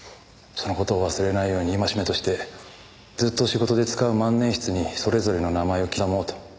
その事を忘れないように戒めとしてずっと仕事で使う万年筆にそれぞれの名前を刻もうと。